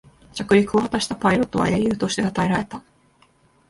着陸を果たしたパイロットは英雄としてたたえられた